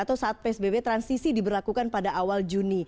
atau saat psbb transisi diberlakukan pada awal juni